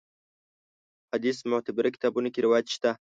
حدیث معتبرو کتابونو کې روایت شته.